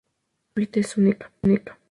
Su "Vita" es única.